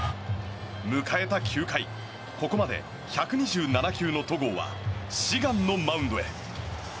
迎えた９回、ここまで１２７球の戸郷は志願のマウンドへ。